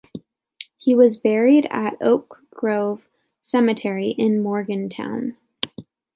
He was buried at Oak Grove Cemetery in Morgantown.